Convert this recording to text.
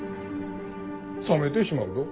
冷めてしまうど。